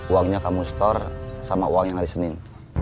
uangnya kamu store sama uang yang hari senin